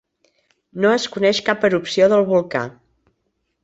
No es coneix cap erupció del volcà.